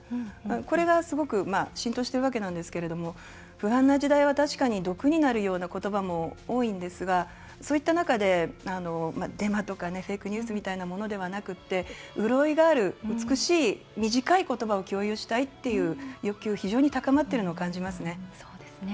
これが浸透してる中で不安な時代は確かに毒になるような言葉も多いんですが、そういった中でデマとかフェイクニュースみたいなものではなくて潤いがある、美しい短い言葉を共有したいという欲求が非常に高まっているのを感じますね。